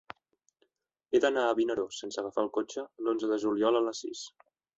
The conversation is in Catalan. He d'anar a Vinaròs sense agafar el cotxe l'onze de juliol a les sis.